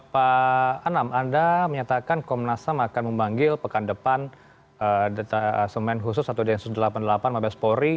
pak anam anda menyatakan komnasam akan memanggil pekan depan asumen khusus satu j satu ratus delapan puluh delapan mabes pori